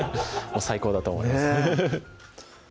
最高だと思います